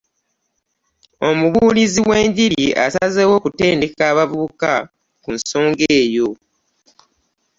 Omubulizi wenjiri azazeewo okutendeka abavubuka ku nsonga eyo.